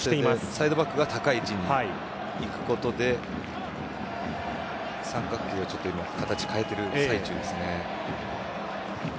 サイドバックが高い位置に行くことで三角形が形変えている最中ですね。